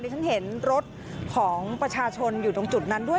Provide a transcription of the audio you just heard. ฉันเห็นรถของประชาชนอยู่ตรงจุดนั้นด้วย